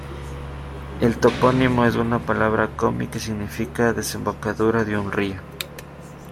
El topónimo es una palabra komi que significa "desembocadura de un río".